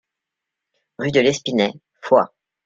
Rue de l'Espinet, Foix